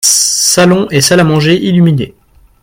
Salon et salle à manger illuminés.